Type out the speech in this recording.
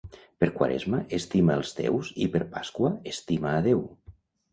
Per Quaresma estima els teus i per Pasqua estima a Déu.